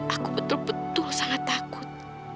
aku betul betul sangat takut